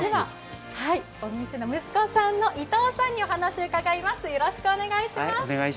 お店の息子さんの伊藤さんにお話伺います。